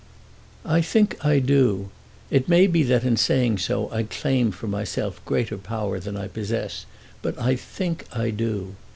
"I think I do. It may be that in saying so I claim for myself greater power than I possess, but I think I do.